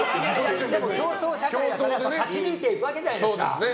競争社会だから勝ち抜いていくわけじゃないですか。